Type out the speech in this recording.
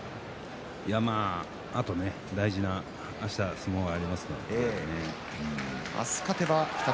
いや、まああと大事なあしたの相撲がありますから。